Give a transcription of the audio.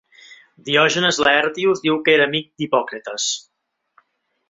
Diògenes Laertius diu que era amic d'Hipòcrates.